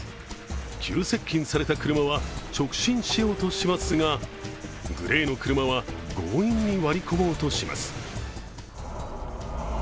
急接近された車は直進しようとしますがグレーの車は強引に割り込もうとします。